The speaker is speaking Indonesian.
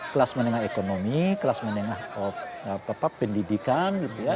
kelas menengah ekonomi kelas menengah pendidikan gitu ya